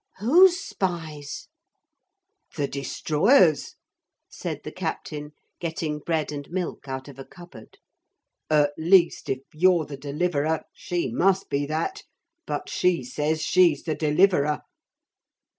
'Whose spies?' 'The Destroyer's,' said the captain, getting bread and milk out of a cupboard; 'at least, if you're the Deliverer she must be that. But she says she's the Deliverer.'